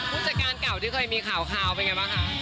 ผู้จัดการเก่าที่เคยมีข่าวเป็นไงบ้างคะ